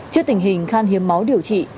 trước tình hình khan hiếm máu điều trị